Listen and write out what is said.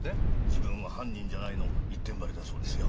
「自分は犯人じゃない」の一点張りだそうですよ。